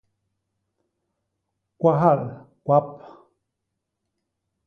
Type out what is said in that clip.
Kwahal kwap.